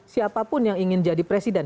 siapapun yang ingin jadi presiden